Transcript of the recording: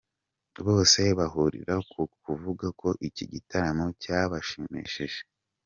Bose bahurira ku kuvuga ko iki gitaramo cyabashimishije.